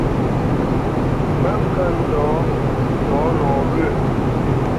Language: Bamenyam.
Mə ŋkə̄ ndɔ̌ sɔ̌ nɔwyə̂.